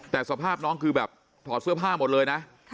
แต่สภาพน้องคือแบบถอดเสื้อผ้าหมดเลยนะ